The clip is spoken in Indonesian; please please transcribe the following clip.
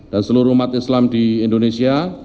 dan seluruh umat islam di indonesia